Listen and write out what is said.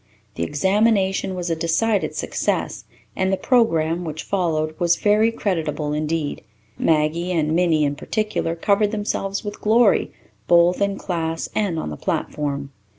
The examination was a decided success, and the program which followed was very creditable indeed. Maggie and Minnie, in particular, covered themselves with glory, both in class and on the platform.